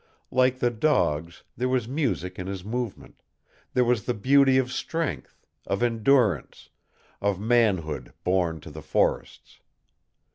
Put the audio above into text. Like the dogs, there was music in his movement, there was the beauty of strength, of endurance, of manhood born to the forests.